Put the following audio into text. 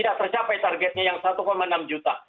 tidak tercapai targetnya yang satu enam juta